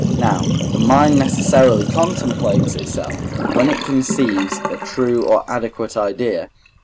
now the mind necessarily contemplates itself, when it conceives a true or adequate idea (II.